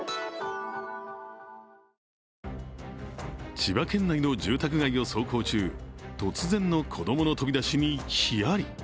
千葉県内の住宅街を走行中突然の子供の飛び出しにひやり。